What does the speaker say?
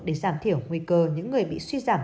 để giảm thiểu nguy cơ những người bị suy giảm